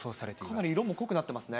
かなり色も濃くなっています